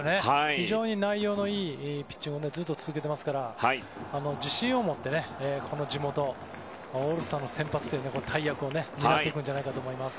非常に内容のいいピッチングをずっと続けていますから自信を持って、この地元オールスターの先発という大役を担っていくんじゃないかと思います。